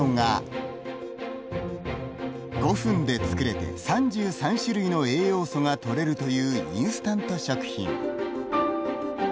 ５分で作れて３３種類の栄養素がとれるというインスタント食品。